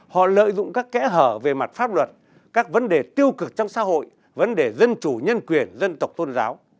họ lợi dụng các kẽ hở về mặt pháp luật các vấn đề tiêu cực trong xã hội vấn đề dân chủ nhân quyền dân tộc tôn giáo